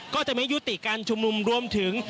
ก็จะไม่ยุติการชุมนุมรวมถึง